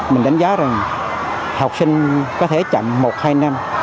mình đánh giá rằng học sinh có thể chậm một hai năm